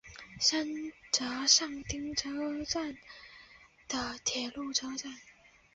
三泽上町车站的铁路车站。